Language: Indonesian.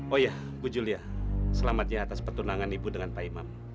oh iya bu julia selamatnya atas petunangan ibu dengan pak imam